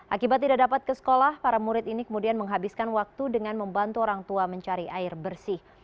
akibat tidak dapat ke sekolah para murid ini kemudian menghabiskan waktu dengan membantu orang tua mencari air bersih